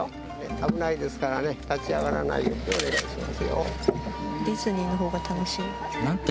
危ないですからね立ち上がらないようにお願いしますよ。なんて？